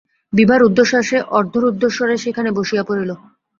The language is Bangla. বিভা রুদ্ধশ্বাসে অর্ধরুদ্ধস্বরে সেইখানে বসিয়া পড়িল।